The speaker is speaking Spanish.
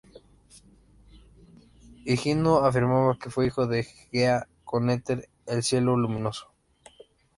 Higino afirmaba que fue hijo de Gea con Éter, el Cielo luminoso.